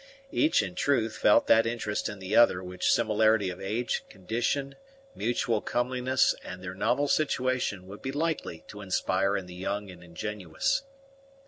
Each, in truth, felt that interest in the other which similarity of age, condition, mutual comeliness, and their novel situation would be likely to inspire in the young and ingenuous.